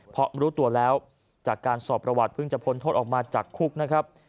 เพราะรู้ตัวแล้วจากการสอบประวัติเพิ่งจะพ้นโทษออกมาจากคุกนะครับ